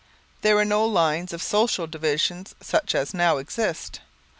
There were no lines of social division such as now exist.